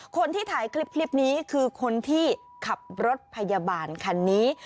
คนที่ถ่ายคลิปนี้คือคนที่ขับรถพยาบาลคันนี้